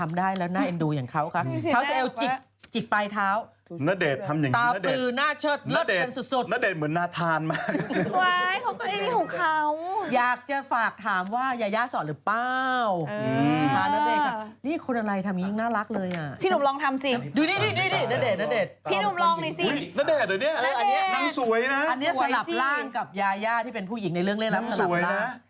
อันนี้สลับร่างกับยาย่าที่เป็นผู้หญิงในเรื่องเล่นแล้วสลับนะ